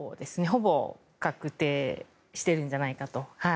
ほぼ確定しているんじゃないかと。